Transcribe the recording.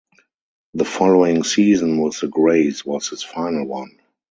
The following season with the Grays was his final one.